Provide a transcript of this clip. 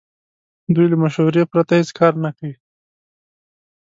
دوی له مشورې پرته هیڅ کار نه کوي.